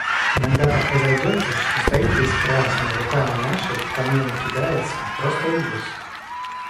Иногда так разойдется, что стоит весь красный, руками машет, камнями кидается, просто ужас!